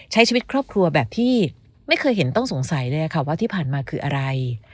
ใช้ชีวิตครอบครัวแบบที่ไม่เคยเห็นต้องสงสัยเลยค่ะว่าที่ผ่านมาคืออะไร